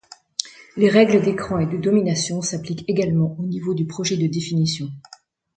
Les règles d’écran et de domination s’appliquent également au niveau du projet de définition.